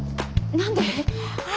何で？